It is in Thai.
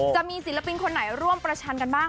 จะมีศิลปินคนไหนร่วมประชันกันบ้าง